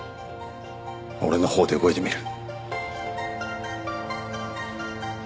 俺のほうで動いてみる。